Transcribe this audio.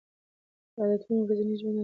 دا عادتونه ورځنی ژوند اسانه کوي.